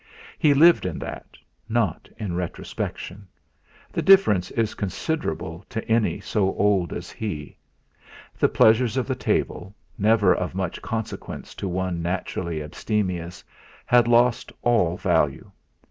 He lived in that, not in retrospection; the difference is considerable to any so old as he. The pleasures of the table, never of much consequence to one naturally abstemious, had lost all value.